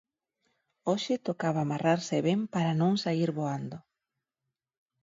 Hoxe tocaba amarrarse ben para non saír voando.